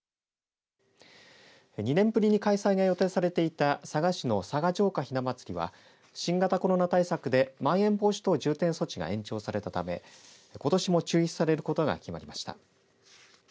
２年ぶりに開催が予定されていた佐賀市の佐賀城下ひなまつりは新型コロナ対策でまん延防止等重点措置が延長されたためことしも中止されることが決定しました。